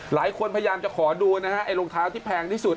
พยายามจะขอดูนะฮะไอ้รองเท้าที่แพงที่สุด